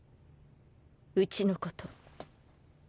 うちのこと。